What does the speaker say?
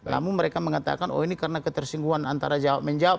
namun mereka mengatakan oh ini karena ketersinggungan antara jawab menjawab